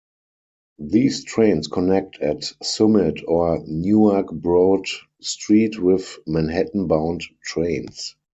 These trains connect at Summit or Newark Broad Street with Manhattan-bound trains.